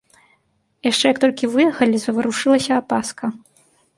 Яшчэ як толькі выехалі, заварушылася апаска.